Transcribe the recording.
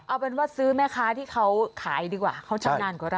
เอาเป็นว่าซื้อแม่ค้าที่เขาขายดีกว่าเขาชำนาญกว่าเรา